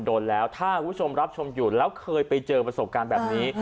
โดนแล้วถ้าคุณผู้ชมรับชมอยู่แล้วเคยไปเจอประสบการณ์แบบนี้